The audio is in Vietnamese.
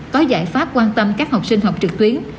có giải pháp quan tâm các học sinh học trực tuyến